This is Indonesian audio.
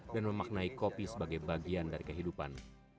dan memaknai kopi sebagai bagian dari kehidupan